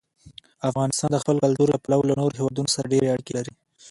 افغانستان د خپل کلتور له پلوه له نورو هېوادونو سره ډېرې اړیکې لري.